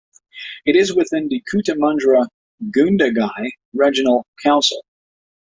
It is within the Cootamundra Gundagai Regional Council.